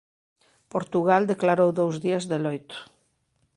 Portugal declarou dous días de loito.